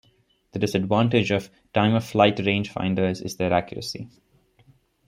The disadvantage of time-of-flight range finders is their accuracy.